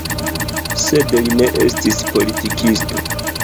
Sed li ne estis politikisto.